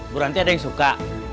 buranti ada yang suka